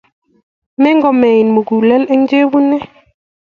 Mengomein muguleldo eng' chei bune.